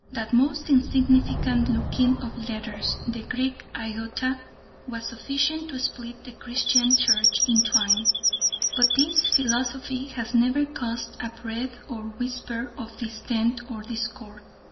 That most insignificant looking of letters, the Greek iota, was sufficient to split the Christian Church in twain, but this philosophy has never caused a breath or whisper of dissent or discord.